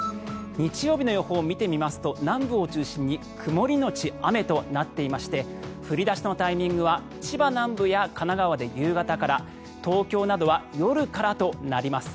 日曜日の予報を見てみますと南部を中心に曇りのち雨となっていまして降り出しのタイミングは千葉南部や神奈川で夕方から東京などは夜からとなります。